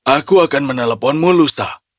aku akan menelponmu lusa